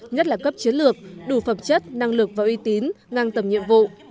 nhất là cấp chiến lược đủ phẩm chất năng lực và uy tín ngang tầm nhiệm vụ